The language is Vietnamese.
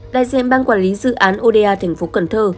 đại diện bang quản lý dự án oda tp cn